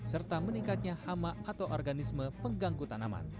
serta meningkatnya hama atau organisme pengganggu tanaman